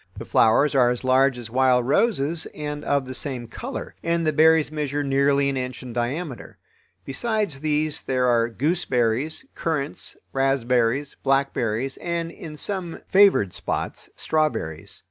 The flowers are as large as wild roses and of the same color, and the berries measure nearly an inch in diameter. Besides these there are gooseberries, currants, raspberries, blackberries, and, in some favored spots, strawberries.